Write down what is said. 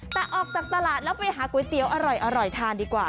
แต่ออกจากตลาดแล้วไปหาก๋วยเตี๋ยวอร่อยทานดีกว่า